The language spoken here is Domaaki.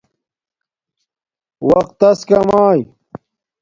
وقت تس کماݵ